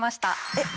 えっ？